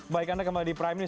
baik anda kembali di prime news